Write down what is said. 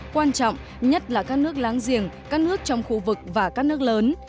quan trọng nhất là các nước láng giềng các nước trong khu vực và các nước lớn